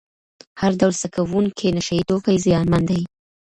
هر ډول څکونکي نشه یې توکي زیانمن دي.